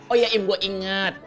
oh iya im gua inget